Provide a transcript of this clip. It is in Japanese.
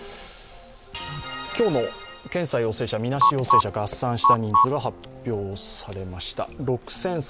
今日の検査陽性者、みなし陽性者、合算した人数が発表されました。